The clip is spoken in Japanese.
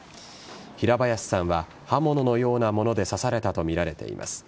平林さんは刃物のようなもので刺されたとみられています。